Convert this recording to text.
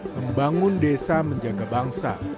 membangun desa menjaga bangsa